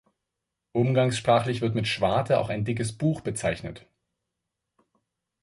Umgangssprachlich wird mit „Schwarte“ auch ein dickes Buch bezeichnet.